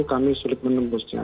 jadi sulit menembusnya